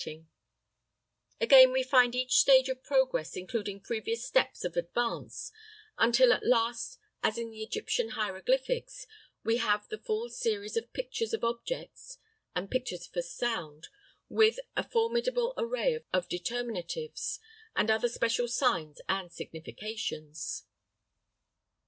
Again, we find each stage of progress including previous steps of advance, until at last, as in the Egyptian hieroglyphics, we have the full series of pictures of objects and pictures for sound with a formidable array of determinatives and other special signs and significations.